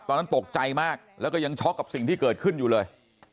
ตอนนั้นตกใจมากแล้วก็ยังช็อกกับสิ่งที่เกิดขึ้นอยู่เลย